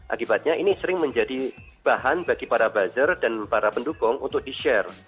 akibatnya ini sering menjadi bahan bagi para buzzer dan para pendukung untuk di share